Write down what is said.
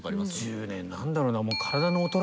１０年何だろうな？